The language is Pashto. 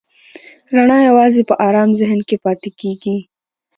رڼا یواځې په آرام ذهن کې پاتې کېږي.